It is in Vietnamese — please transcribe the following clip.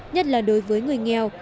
nhất là đối với người nghèo